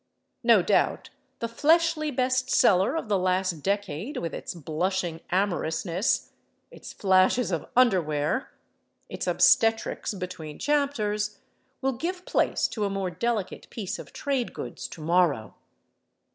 No doubt the fleshly best seller of the last decade, with its blushing amorousness, its flashes of underwear, its obstetrics between chapters, will give place to a more delicate piece of trade goods to morrow.